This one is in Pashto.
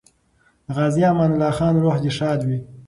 د غازي امان الله خان روح دې ښاد وي.